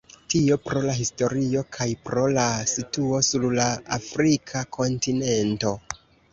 Tio pro la historio kaj pro la situo sur la afrika kontinento.